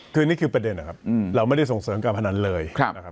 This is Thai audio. คือนี่คือประเด็นนะครับเราไม่ได้ส่งเสริมการพนันเลยนะครับ